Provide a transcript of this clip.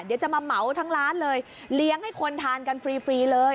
เดี๋ยวจะมาเหมาทั้งร้านเลยเลี้ยงให้คนทานกันฟรีเลย